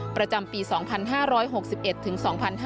ประจำปี๒๕๖๑ถึง๒๕๕๙